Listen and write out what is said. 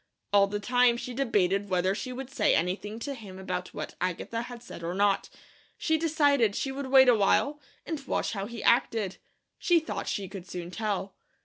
All the time she debated whether she would say anything to him about what Agatha had said or not. She decided she would wait awhile, and watch how he acted. She thought she could soon tell.